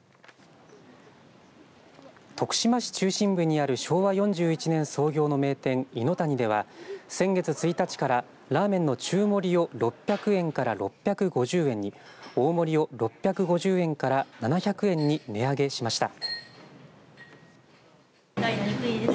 徳島市中心部にある昭和４１年創業の名店、いのたにでは先月１日からラーメンの中盛りを６００円から６５０円に大盛りを６５０円から７００円に値上げしました。